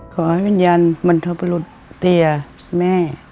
ขอให้วิญญาณบรรพบรุษเตียแม่